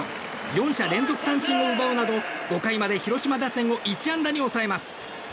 ４者連続三振を奪うなど５回まで広島打線を１安打に抑えます。